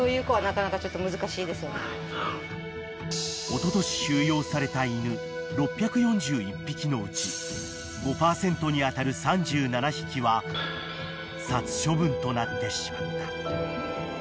［おととし収容された犬６４１匹のうち５％に当たる３７匹は殺処分となってしまった］